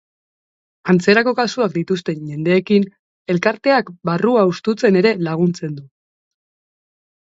Antzerako kasuak dituzten jendeekin elkarteak barrua hustutzen ere laguntzen du.